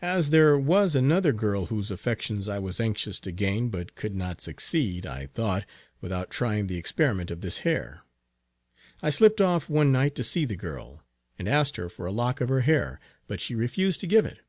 As there was another girl whose affections I was anxious to gain, but could not succeed, I thought, without trying the experiment of this hair. I slipped off one night to see the girl, and asked her for a lock of her hair; but she refused to give it.